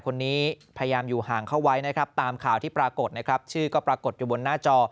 พยายามอยู่ห่างเข้าไว้นะครับตามข่าวที่ปรากฏนะครับชื่อก็ปรากฏอยู่บนหน้าจอ